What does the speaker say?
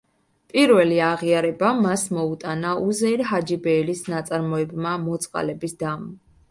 პირველი აღიარება მას მოუტანა უზეირ ჰაჯიბეილის ნაწარმოებმა „მოწყალების დამ“.